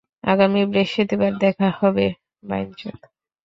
আগামী বৃহস্পতিবার দেখা হবে, বাইনচোদ।